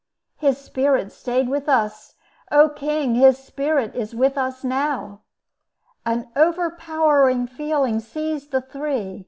His Spirit stayed with us. O king, his Spirit is with us now!" An overpowering feeling seized the three.